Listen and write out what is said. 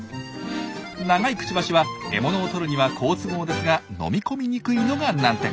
長いくちばしは獲物をとるには好都合ですが飲み込みにくいのが難点。